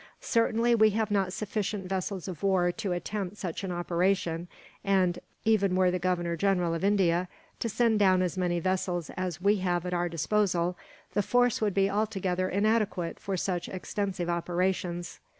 Certainly we have not sufficient vessels of war to attempt such an operation and, even were the Governor General of India to send down as many vessels as we have at our disposal, the force would be altogether inadequate for such extensive operations.